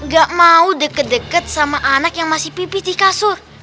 gak mau deket deket sama anak yang masih pipit di kasur